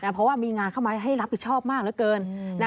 เพราะว่ามีงานเข้ามาให้รับผิดชอบมากเหลือเกิน